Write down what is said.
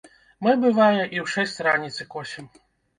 Мы, бывае, і ў шэсць раніцы косім.